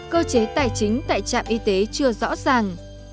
cơ chế tài chính tại trạm y tế chưa rõ ràng